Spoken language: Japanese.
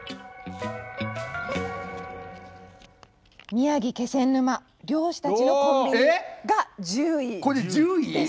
「宮城・気仙沼漁師たちの“コンビニ”」が１０位です。